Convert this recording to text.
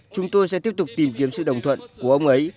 chúng tôi sẽ tiếp tục tìm kiếm sự đồng thuận của ông ấy